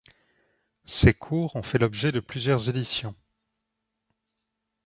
Ses cours ont fait l'objet de plusieurs éditions.